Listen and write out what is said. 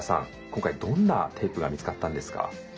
今回どんなテープが見つかったんですか？